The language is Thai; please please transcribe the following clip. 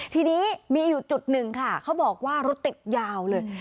ทีนี้มีอยู่จุดหนึ่งค่ะเขาบอกว่ารถติดยาวเลย